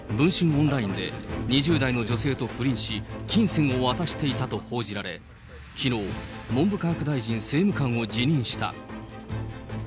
オンラインで、２０代の女性と不倫し、金銭を渡していたと報じられ、きのう、文部科学大臣政務官を辞任した。